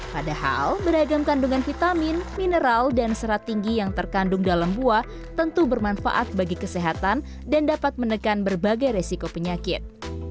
padahal beragam kandungan vitamin mineral dan serat tinggi yang terkandung dalam buah tentu bermanfaat bagi kesehatan dan dapat menekan berbagai resiko penyakit